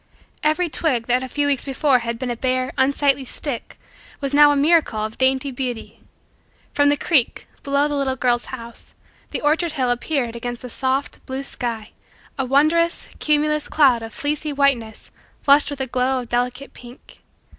Every twig that a few weeks before had been a bare, unsightly stick was now a miracle of dainty beauty. From the creek, below the little girl's house, the orchard hill appeared against the soft, blue, sky a wonderous, cumulus, cloud of fleecy whiteness flushed with a glow of delicate pink.